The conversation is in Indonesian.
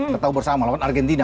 tertawa bersama lho kan argentina